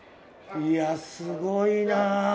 いや、すごいなぁ。